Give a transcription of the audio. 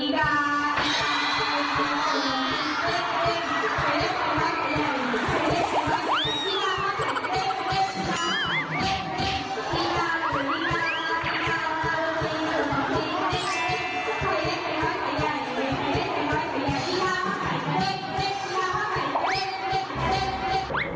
ฉันชอบพลาดจบ